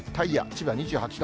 千葉２８度。